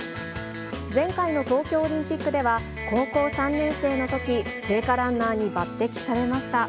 前回の東京オリンピックでは、高校３年生のとき、聖火ランナーに抜てきされました。